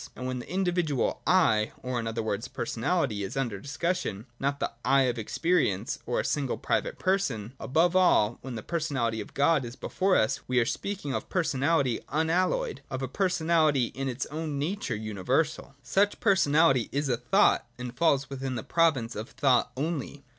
And when the indi vidual ' I,' or in other words personality, is under discussion — not the ' I ' of experience, or a single private person — above all, when the personality of God is before us, we are speaking of personality unalloyed, — of a personality in its own nature universal. Such per sonality is a thought, and falls within the province of thought only.